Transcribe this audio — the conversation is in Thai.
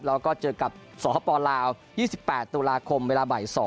แล้วก็เจอกับสปลาว๒๘ตุลาคมเวลาบ่าย๒